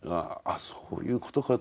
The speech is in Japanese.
あそういうことかと。